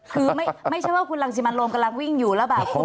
คือไม่ใช่ว่าคุณรังสิมันโรมกำลังวิ่งอยู่แล้วแบบ